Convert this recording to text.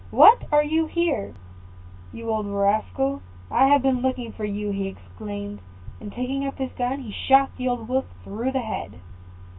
"What! are you here, you old rascal? I have been looking for you," exclaimed he; and taking up his gun, he shot the old Wolf through the head.